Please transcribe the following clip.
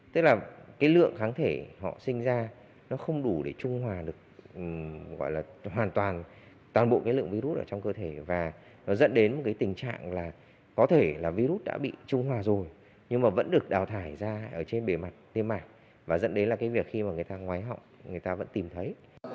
tức là cái lượng kháng thể họ sinh ra nó không đủ để trung hòa được gọi là hoàn toàn toàn bộ cái lượng virus ở trong cơ thể và nó dẫn đến một cái tình trạng là có thể là virus đã bị trung hòa rồi nhưng mà vẫn được đào thải ra ở trên bề mặt tim mạng và dẫn đến là cái việc khi mà người ta ngoái họng người ta vẫn tìm thấy